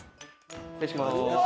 失礼します。